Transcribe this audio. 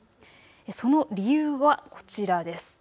その理由はこちらです。